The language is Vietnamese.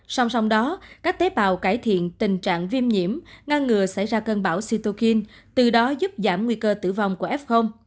song song đó các tế bào cải thiện tình trạng viêm nhiễm ngăn ngừa xảy ra cơn bão situkin từ đó giúp giảm nguy cơ tử vong của f